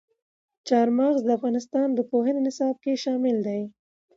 چار مغز د افغانستان د پوهنې نصاب کې شامل دي.